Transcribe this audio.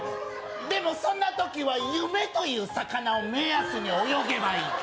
でも、そんなときは夢という魚を目安に泳げばいい。